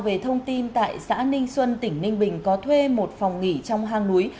về thông tin tại xã ninh xuân tỉnh ninh bình có thuê một phòng nghỉ trong hang núi